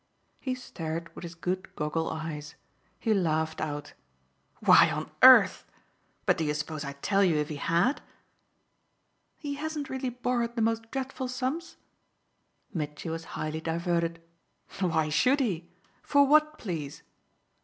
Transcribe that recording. He stared with his good goggle eyes he laughed out. "Why on earth ? But do you suppose I'd tell you if he had?" "He hasn't really borrowed the most dreadful sums?" Mitchy was highly diverted. "Why should he? For what, please?"